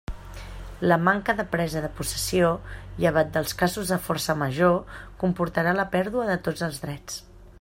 La manca de presa de possessió, llevat dels casos de forca major comportarà la pèrdua de tots els drets.